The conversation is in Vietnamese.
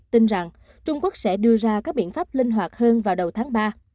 tin rằng trung quốc sẽ đưa ra các biện pháp linh hoạt hơn vào đầu tháng ba